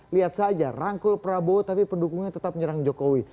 lihat saja rangkul prabowo tapi pendukungnya tetap menyerang jokowi